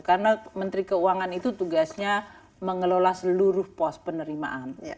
karena menteri keuangan itu tugasnya mengelola seluruh pos penerimaan